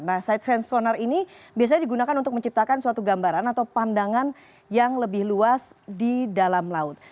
nah side st sonar ini biasanya digunakan untuk menciptakan suatu gambaran atau pandangan yang lebih luas di dalam laut